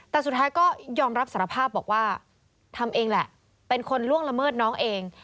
แต่สุดท้ายก็ยอมรับสารภาพบอกว่าทำเองแหละเป็นคนล่วงละเมิดน้องเอง